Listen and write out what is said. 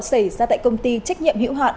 xảy ra tại công ty trách nhiệm hữu hạn